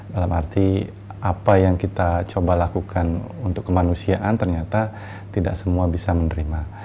dalam arti apa yang kita coba lakukan untuk kemanusiaan ternyata tidak semua bisa menerima